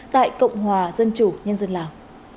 tại cộng hòa dân chủ nhân dân lào